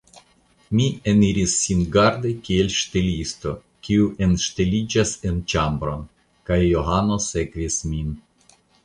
Mi eniris singarde kiel ŝtelisto, kiu enŝteliĝas en ĉambron, kaj Johano sekvis min.